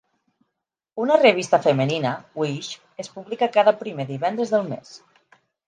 Una revista femenina, "Wish", es publica cada primer divendres del mes.